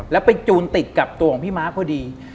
แล้วไปจูนติดกับตัวของพี่ม้าพอดี